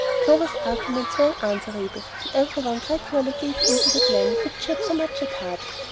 Clover's arguments were unanswerable, and every one gradually gave in to the plan which she had so much at heart.